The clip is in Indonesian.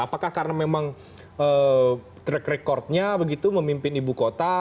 apakah karena memang track recordnya begitu memimpin ibu kota